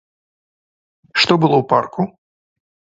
Што было ў парку?